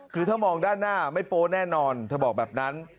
คือถ้ามองด้านหน้าไม่โป๊แน่นอนเธอบอกแบบนั้น